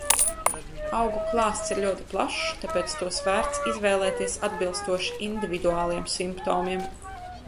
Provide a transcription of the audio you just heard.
Augu klāsts ir ļoti plašs, tāpēc tos vērts izvēlēties, atbilstoši individuāliem simptomiem.